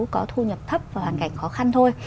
có thu nhập thấp và hoàn cảnh khó khăn thôi